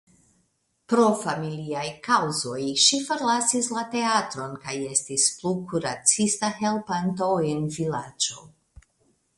Pro familiaj kaŭzoj ŝi forlasis la teatron kaj estis plu kuracista helpanto en vilaĝo.